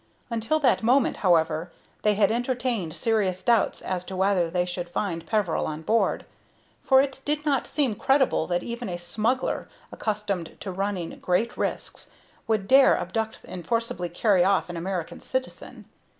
Until that moment, however, they had entertained serious doubts as to whether they should find Peveril on board; for it did not seem credible that even a smuggler, accustomed to running great risks, would dare abduct and forcibly carry off an American citizen.